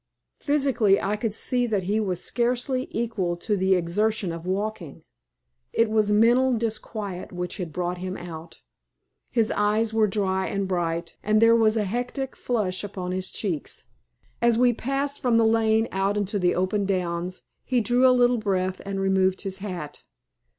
Physically, I could see that he was scarcely equal to the exertion of walking. It was mental disquiet which had brought him out. His eyes were dry and bright, and there was a hectic flush upon his cheeks. As we passed from the lane out on to the open Downs, he drew a little breath and removed his hat.